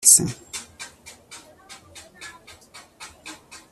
niba bishoboka, ndashaka kumenya izina ryumwanditsi